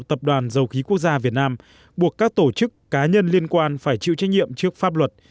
tập đoàn dầu khí quốc gia việt nam buộc các tổ chức cá nhân liên quan phải chịu trách nhiệm trước pháp luật